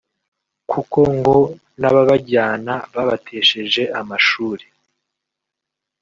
kuko ngo n’ababajyana babatesheje amashuri